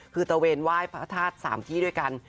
คือเตอร์เว่นว่ายพระทาสสามที่ด้วยกัน